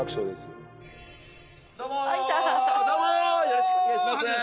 よろしくお願いしますどうもー！